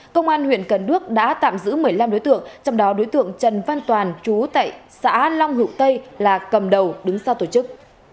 công an huyện cần đước đã tạm giữ một mươi năm đối tượng trong đó đối tượng trần văn toàn chú tại xã long hữu tây là cầm đầu đứng sau tổ chức